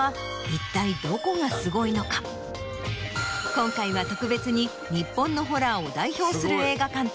今回は特別に日本のホラーを代表する映画監督